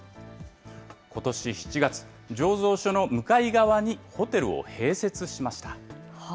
ことし７月、醸造所の向かい側にホテルを併設しました。